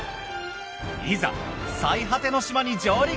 いざ最果ての島に上陸。